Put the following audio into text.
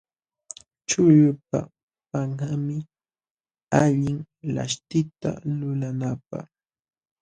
Chuqllupa panqanmi allin laśhtita lulanapaq.